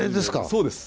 そうです。